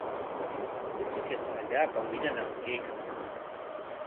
Kuchiykiqa allaapa wirañam kaykan.